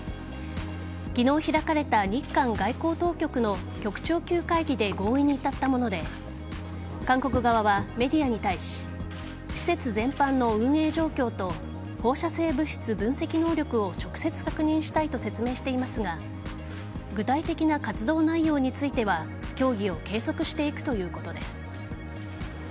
昨日開かれた、日韓外交当局の局長級会議で合意に至ったもので韓国側はメディアに対し施設全般の運営状況と放射性物質分析能力を直接確認したいと説明していますが具体的な活動内容については協議を継続していくということです。